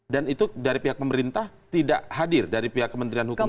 dan itu dari pihak pemerintah tidak hadir dari pihak kementerian hukuman